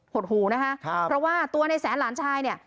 หดหูนะคะเพราะว่าตัวในแสนหลานชายเนี่ย